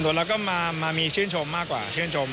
ส่วนเราก็มามีชื่นชมมากกว่าชื่นชม